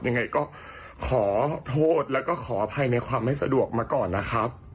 ยังไงก็ขอโทษแล้วก็ขออภัยในความไม่สะดวกมาก่อนนะครับ